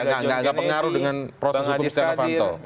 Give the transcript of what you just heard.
nggak ada pengaruh dengan proses hukum setia novatol